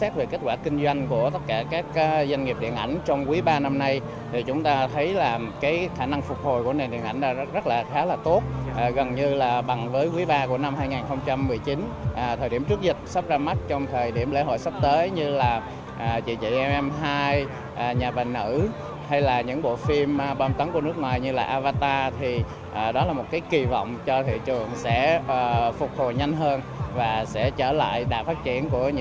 sẽ phục hồi nhanh hơn và sẽ trở lại đạt phát triển của những năm trước dịch